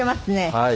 はい。